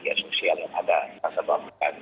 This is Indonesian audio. dan sosial yang ada